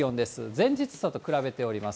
前日差と比べております。